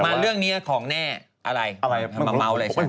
มาเรื่องนี้ของแน่อะไรมาเม้าอะไร๊ฉัน